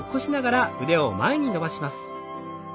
腕を前に伸ばします。